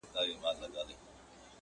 زما د افسانو د قهرمان حماسه ولیکه!.